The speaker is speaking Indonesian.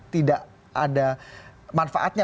tidak ada manfaatnya